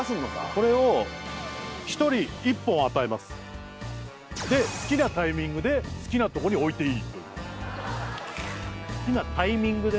これを１人１本与えますで好きなタイミングで好きなとこに置いていいという好きなタイミングで？